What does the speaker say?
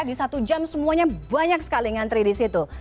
di satu jam semuanya banyak sekali ngantri di situ